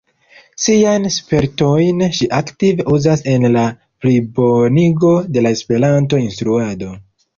Siajn spertojn ŝi aktive uzas en la plibonigo de la Esperanto-instruado.